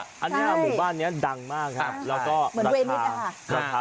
ใช่อันนี้อ่ะหมู่บ้านเนี้ยดังมากครับอ่าแล้วก็เหมือนเวนิสต์อ่ะค่ะ